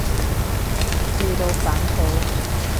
笑到反肚